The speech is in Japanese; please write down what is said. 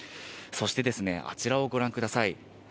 そしてあちらをご覧ください。